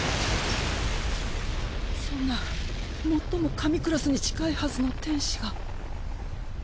そんな最も神クラスに近いはずの天使が。